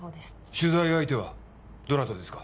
取材相手はどなたですか？